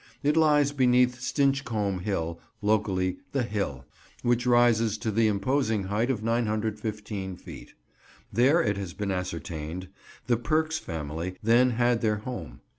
It lies beneath Stinchcombe Hill, locally "the Hill," which rises to the imposing height of 915 feet. There, it has been ascertained, the Perkes family then had their home.